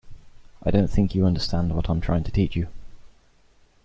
I don't think you understand what I'm trying to teach you.